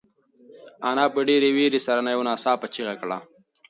انا په ډېرې وېرې سره یو ناڅاپه چیغه کړه.